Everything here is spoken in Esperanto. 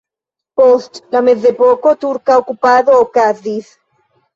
Post la mezepoko turka okupado okazis.